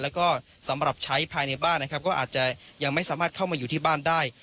แล้วก็สำหรับใช้ภายในบ้านนะครับก็อาจจะยังไม่สามารถเข้ามาอยู่ที่บ้านได้